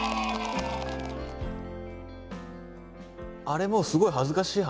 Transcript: あれもすごい恥ずかしい話